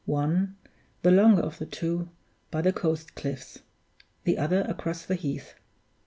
One, the longer of the two, by the coast cliffs; the other across the heath.